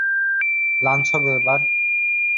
Lunch হবে এবার?